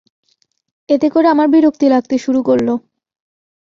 এতে করে আমার বিরক্তি লাগতে শুরু করল।